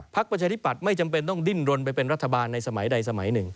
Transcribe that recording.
ประชาธิปัตย์ไม่จำเป็นต้องดิ้นรนไปเป็นรัฐบาลในสมัยใดสมัยหนึ่ง